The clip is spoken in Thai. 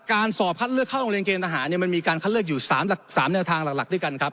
การสอบคัดเลือกเข้าโรงเรียนเตรียมทหารเนี่ยมันมีการคัดเลือกอยู่สามสามเนื้อทางหลักหลักด้วยกันครับ